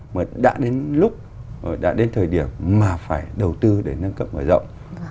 mà đã đến lúc đã đến thời điểm mà phải đầu tư để nâng cấp mở rộng